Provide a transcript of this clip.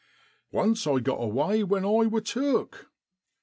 ' Once I got away when I wor took.